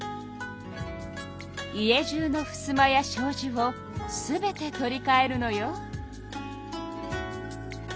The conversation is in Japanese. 家じゅうのふすまやしょうじを全て取りかえるのよ。